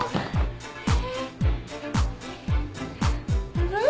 あれ？